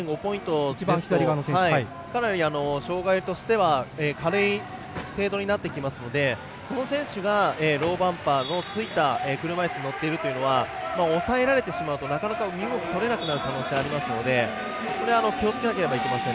２．５ポイントは障がいとしては軽い程度になってきますのでその選手がローバンパーのついた車椅子に乗っているということはおさえられえてしまうとなかなか身動き取れなくなる可能性がありますので気をつけなければいけません。